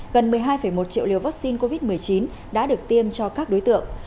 gần một mươi hai một triệu liều vaccine covid một mươi chín đã được tiêm cho các đối tượng